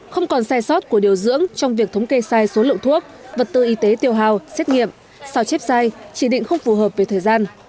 không còn sai sót của điều dưỡng trong việc thống kê sai số lượng thuốc vật tư y tế tiêu hào xét nghiệm sao chép sai chỉ định không phù hợp về thời gian